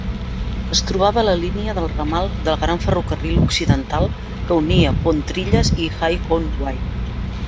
Es trobava a la línia del ramal del Gran Ferrocarril occidental que unia Pontrilas i Hay-on-Wye.